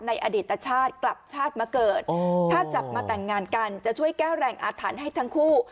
อดีตชาติกลับชาติมาเกิดถ้าจับมาแต่งงานกันจะช่วยแก้แรงอาถรรพ์ให้ทั้งคู่